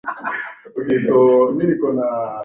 haikuwa rahisi kwa mabaharia hao kupata msaada